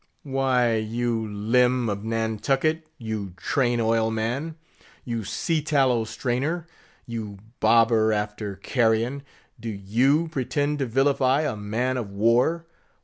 "Why, you limb of Nantucket! you train oil man! you sea tallow strainer! you bobber after carrion! do you pretend to vilify a man of war?